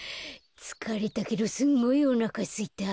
つかれたけどすんごいおなかすいた。